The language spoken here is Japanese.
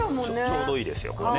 ちょうどいいですよ。